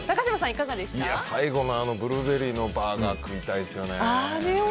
最後のブルーベリーのバーガー食いたいですよね。